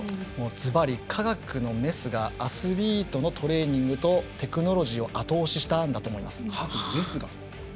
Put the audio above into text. ずばり科学のメスがアスリートのトレーニングとテクノロジーを後押ししたんだと思います。